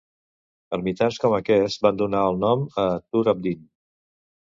Ermitans com aquest van donar el nom a Tur Abdin.